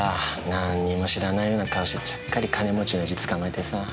何にも知らないような顔してちゃっかり金持ちのオヤジつかまえてさ。